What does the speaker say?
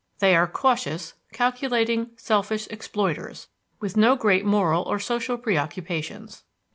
They are cautious, calculating, selfish exploiters, with no great moral or social preoccupations.